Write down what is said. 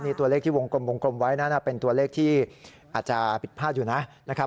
นี่ตัวเลขที่วงกลมวงกลมไว้นั้นเป็นตัวเลขที่อาจจะผิดพลาดอยู่นะครับ